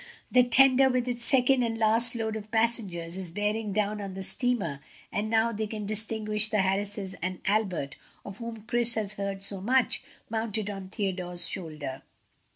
The tender, with its second and last load of passengers, is bearing down on the steamer, and now they can distinguish the Harrises and Albert of whom Chris has heard so much mounted on Theodore's shoulder.